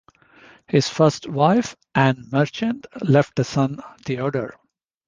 His first wife, Anne Marchant, left a son Theodore.